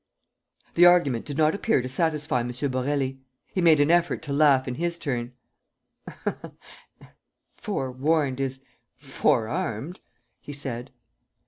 The argument did not appear to satisfy M. Borély. He made an effort to laugh in his turn: "Forewarned is forearmed," he said.